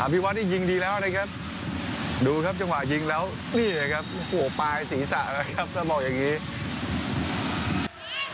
พี่วัดนี่ยิงดีแล้วนะครับดูครับจังหวะยิงแล้วนี่เลยครับโอ้โหปลายศีรษะเลยครับถ้ามองอย่างนี้